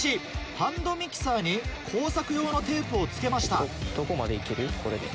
ハンドミキサーに工作用のテープを付けました。